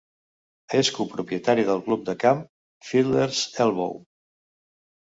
És copropietari del club de camp Fiddler's Elbow.